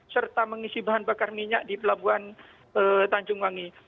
serta mengisi bahan bakar minyak di pelabuhan tanjung wangi